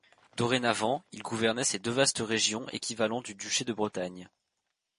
Dorénavant, il gouvernait ces deux vastes régions équivalant du duché de Bretagne.